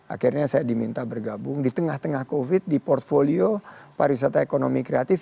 akhirnya saya diminta bergabung di tengah tengah covid di portfolio pariwisata ekonomi kreatif